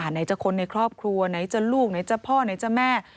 ไหนจะคนในครอบครัวไหนจะลูกไหนจะพ่อไหนจะแม่